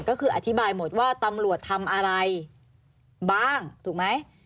ก็คืออธิบายหมดว่าตำรวจทำอะไรบ้างถูกไหม